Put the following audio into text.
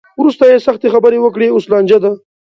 وروسته یې سختې خبرې وکړې؛ اوس لانجه ده.